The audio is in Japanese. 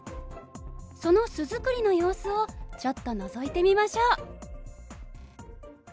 その巣作りの様子をちょっとのぞいてみましょう。